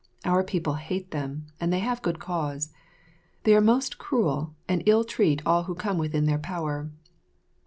Our people hate them, and they have good cause. They are most cruel, and ill treat all who come within their power.